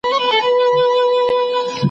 ماشوم باید دومره شور نه وای کړی.